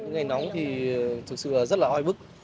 ngày nóng thì thực sự rất là oi bức